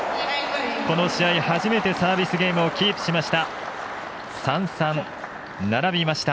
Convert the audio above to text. この試合初めてサービスゲームをキープしました。